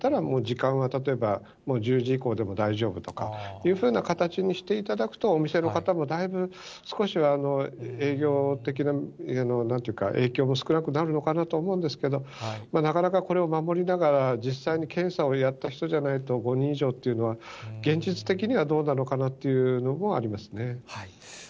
もう時間は例えばもう１０時以降でも大丈夫とかいうふうな形にしていただくと、お店の方もだいぶ少しは営業的な、なんていうか、影響も少なくなるのかなと思うんですけれども、なかなかこれを守りながら、実際に検査をやった人じゃないと、５人以上っていうのは現実的にはどうなのかなというのもありますね。